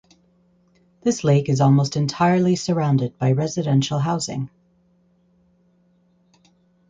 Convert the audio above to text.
This lake is almost entirely surrounded by residential housing.